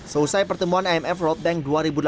selesai pertemuan imf world bank dua ribu delapan belas